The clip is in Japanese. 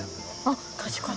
あっ確かに。